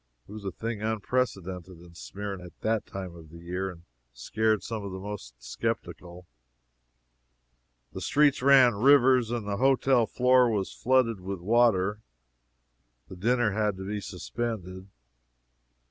It was a thing unprecedented in Smyrna at that time of the year, and scared some of the most skeptical. The streets ran rivers and the hotel floor was flooded with water. The dinner had to be suspended.